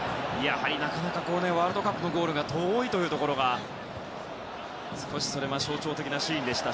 なかなかワールドカップのゴールが遠いというところが少し象徴的なシーンでした。